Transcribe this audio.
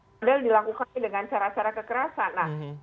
model dilakukannya dengan cara cara kekerasan